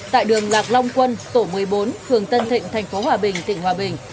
tại đường lạc long quân tổ một mươi bốn hường tân thịnh tp hòa bình tỉnh hòa bình